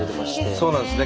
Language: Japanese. そうなんですね